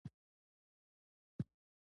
دا په پالیسۍ منفي اغیز کوي.